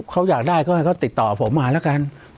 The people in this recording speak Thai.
เขาอยากได้ก็ติดต่อผมมาแล้วกัน